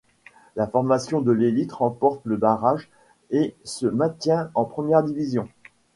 La formation de l’élite remporte le barrage et se maintient en première division.